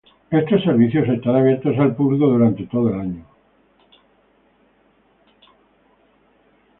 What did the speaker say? Estos servicios están abiertos al público durante todo el año.